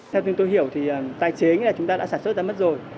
theo chúng tôi hiểu thì tái chế nghĩa là chúng ta đã sản xuất ra mất rồi